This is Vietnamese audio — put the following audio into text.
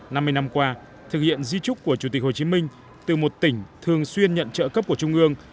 năm mươi năm qua thực hiện di trúc của chủ tịch hồ chí minh từ một tỉnh thường xuyên nhận trợ cấp của trung ương